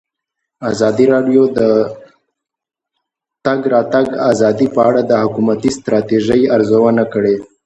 ازادي راډیو د د تګ راتګ ازادي په اړه د حکومتي ستراتیژۍ ارزونه کړې.